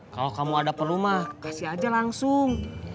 kalau kamu ada pelumah kasih aja langsung